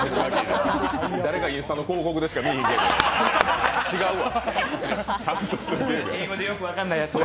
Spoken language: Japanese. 誰が、インスタの広告でしか見いひんやつや。